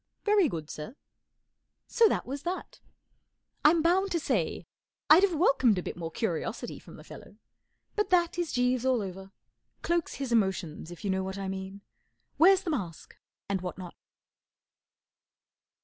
'* 4 Very good, sir." So that was that. I'm bound to say I'd have welcomed a bit more curiosity from the "fellow, but that is Jeeves all over. Cloaks his emotions, if you know what I mean. Wears the mask and what not.